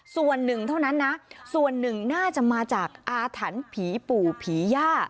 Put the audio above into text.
ส่วนหนึ่งเท่านั้นนะส่วนหนึ่งน่าจะมาจากอาถรรพ์ผีปู่ผีย่า